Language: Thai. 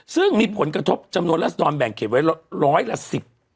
ซึ่งมีผลกระทบจำนวนรัศดรแบ่งเขตไว้ร้อยละสิบ